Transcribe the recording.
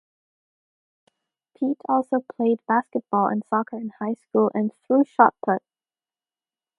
Pete also played basketball and soccer in high school and threw shot put.